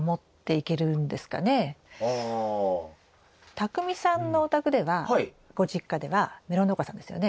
たくみさんのお宅ではご実家ではメロン農家さんですよね。